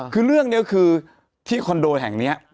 คือเรื่องนี้คือที่คอนโดแห่งนี้